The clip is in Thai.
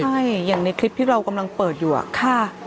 ใช่อย่างในคลิปที่เรากำลังเปิดอยู่อะค่ะ